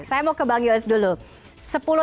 saya mau ke bang yos dulu